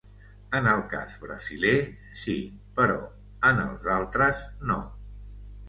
En el cas brasiler, sí, però en els altres no.